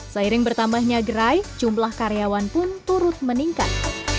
seiring bertambahnya gerai jumlah karyawan pun turut meningkat